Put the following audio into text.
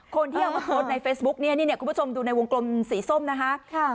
คนที่เอามาโพสต์ในเฟซบุ๊กเนี่ยนี่คุณผู้ชมดูในวงกลมสีส้มนะคะ